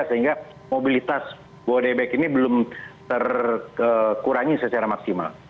sehingga mobilitas bodai baik ini belum terkurangi secara maksimal